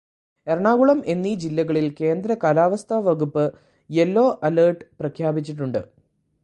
എറണാകുളം എന്നീ ജില്ലകളില് കേന്ദ്ര കാലാവസ്ഥ വകുപ്പ് യെല്ലോ അലേര്ട്ട് പ്രഖ്യാപിച്ചിട്ടുണ്ട്.